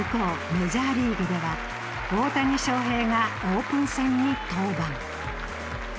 メジャーリーグでは大谷翔平がオープン戦に登板。